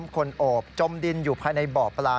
คนโอบจมดินอยู่ภายในบ่อปลา